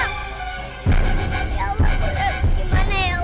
saudari tolongin putri